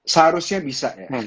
seharusnya bisa ya